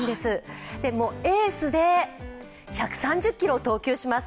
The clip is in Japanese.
エースで１３０キロを投球します。